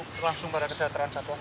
berdampak langsung pada kesehatan satwa